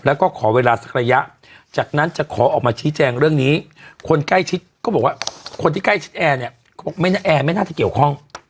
แล้วก็ขอเวลาสักระยะจากนั้นจะขอออกมาชี้แจงเรื่องนี้คนใกล้ชิดก็บอกว่าคนที่ใกล้ชิดแอร์เนี่ยแอร์ไม่น่าจะเกี่ยวข้อง